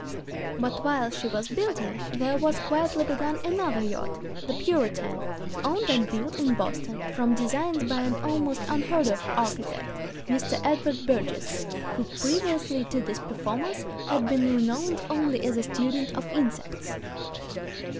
But while she was building there was quietly begun another yacht, the Puritan, owned and built in Boston from designs by an almost unheard of architect, Mr. Edward Burgess, who previously to this performance had been renowned only as a student of insects!